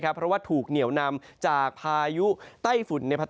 เพราะว่าถูกเหนียวนำจากพายุใต้ฝุ่นในผัตรตักเข้าสู่จุดศูนย์กลาง